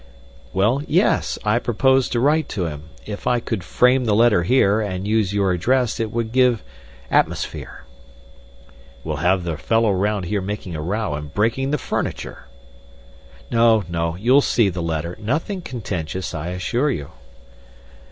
"Well, yes; I propose to write to him. If I could frame the letter here, and use your address it would give atmosphere." "We'll have the fellow round here making a row and breaking the furniture." "No, no; you'll see the letter nothing contentious, I assure you."